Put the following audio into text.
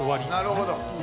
なるほど！